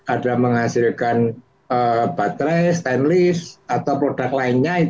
ada menghasilkan baterai stainless atau produk lainnya